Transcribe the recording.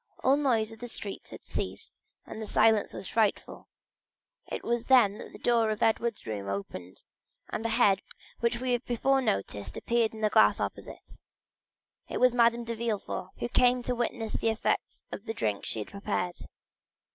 All noise in the streets had ceased, and the silence was frightful. It was then that the door of Edward's room opened, and a head we have before noticed appeared in the glass opposite; it was Madame de Villefort, who came to witness the effects of the drink she had prepared.